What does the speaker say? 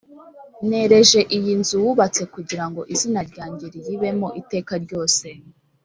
Nereje iyi nzu wubatse kugira ngo izina ryanjye riyibemo iteka ryose